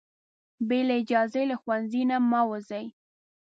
بې له اجازې له ښوونځي نه مه وځئ.